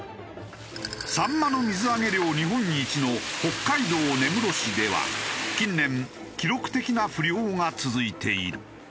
サンマの水揚げ量日本一の北海道根室市では近年記録的な不漁が続いている。